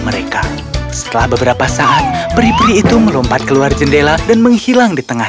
mereka setelah beberapa saat peri peri itu melompat keluar jendela dan menghilang di tengah